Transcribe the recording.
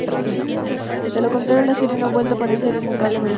De lo contrario, la serie no ha vuelto a aparecer en el cable americano.